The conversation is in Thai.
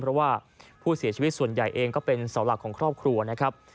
เพราะว่าผู้เสียชีวิตส่วนใหญ่เองก็เป็นเสาหลักของครอบครัวนะครับ